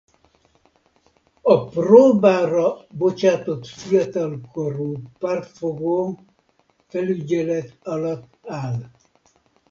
A próbára bocsátott fiatalkorú pártfogó felügyelet alatt áll.